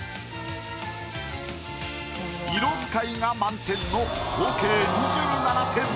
色使いが満点の合計２７点。